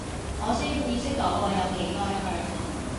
我先意識到我有幾愛佢